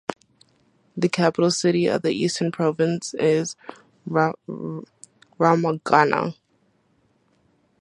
The capital city of the Eastern Province is Rwamagana.